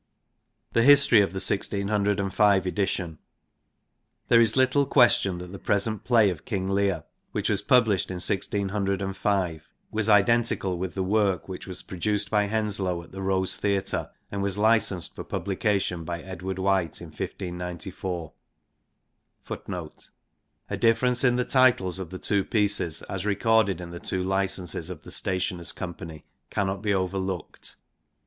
The history of the 1605 edition. There is little question that the present play of King Leir, which was published in 1605, was identical with the work which was produced by Henslowe at the Rose Theatre, and was licensed for publication by Edward White in 1 594 . 1 1 A difference in the titles of the two pieces as recorded in the two licenses of the Stationers' Company cannot be overlooked.